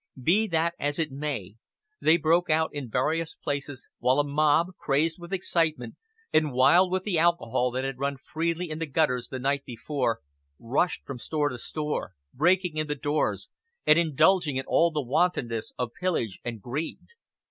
Be that as it may, they broke out in various places, while a mob, crazed with excitement, and wild with the alcohol that had run freely in the gutters the night before, rushed from store to store, breaking in the doors, and indulging in all the wantonness of pillage and greed.